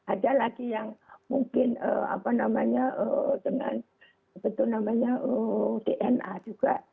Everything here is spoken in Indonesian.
ada lagi yang mungkin apa namanya dengan betul namanya dna juga